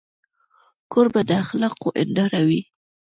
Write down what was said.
کوربه د اخلاقو هنداره وي.